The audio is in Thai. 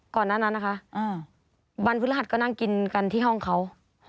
ก่อนหน้านั้นนะคะวันพฤหัสก็นั่งกินกันที่ห้องเขา